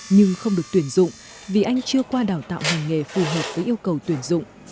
nhưng không được tuyển dụng vì anh chưa qua đào tạo hành nghề phù hợp với yêu cầu tuyển dụng